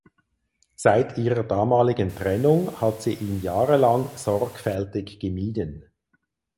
Seit ihrer damaligen Trennung hat sie ihn jahrelang sorgfältig gemieden.